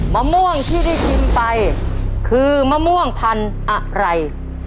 มะม่วงที่ได้ชิมไปคือมะม่วงพันธุ์อะไร